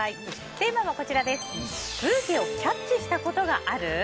テーマは、ブーケをキャッチしたことがある？